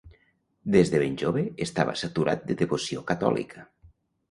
Des de ben jove estava "saturat de devoció catòlica".